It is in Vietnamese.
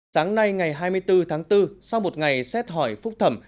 sáng nay ngày hai mươi bốn tháng bốn sau một ngày xét hỏi phúc thẩm